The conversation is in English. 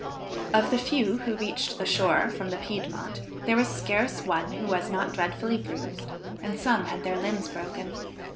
Of the few who reached the shore from the Piedmont, there was scarce one who was not dreadfully bruised, and some had their limbs broken.